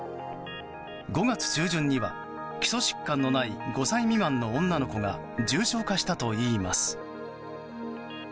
５月中旬には基礎疾患のない５歳未満の女の子が重症化したといいます。